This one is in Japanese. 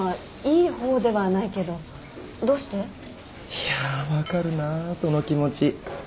いや分かるなぁその気持ち。